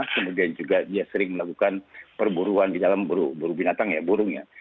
kemudian juga dia sering melakukan perburuan di dalam burung binatang ya burungnya